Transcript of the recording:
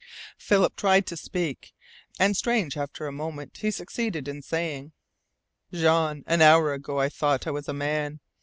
Philip tried to speak; and strange after a moment he succeeded in saying: "Jean, an hour ago, I thought I was a man.